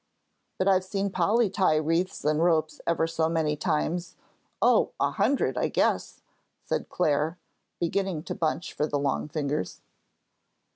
"But I've seen Polly tie wreaths and ropes ever so many times oh, a hundred, I guess," said Clare, beginning to bunch for the long fingers.